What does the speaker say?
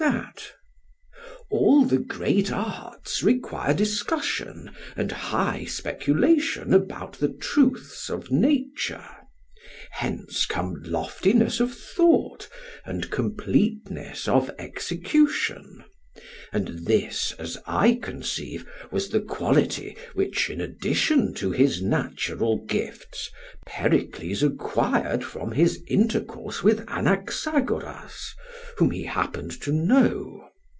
SOCRATES: All the great arts require discussion and high speculation about the truths of nature; hence come loftiness of thought and completeness of execution. And this, as I conceive, was the quality which, in addition to his natural gifts, Pericles acquired from his intercourse with Anaxagoras whom he happened to know.